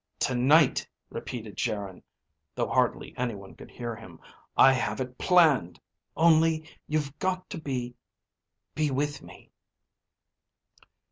"Tonight," repeated Geryn, though hardly anyone could hear him. "I have it planned. Only you've got to be ... be with me."